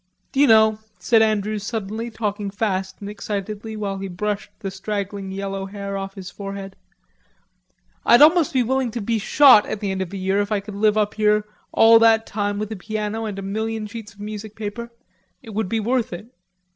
"D'you know," said Andrews suddenly talking fast and excitedly while he brushed the straggling yellow hair off his forehead, "I'd almost be willing to be shot at the end of a year if I could live up here all that time with a piano and a million sheets of music paper...It would be worth it."